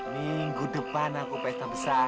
minggu depan aku peta besar